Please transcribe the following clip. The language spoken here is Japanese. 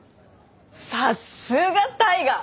さすがタイガー！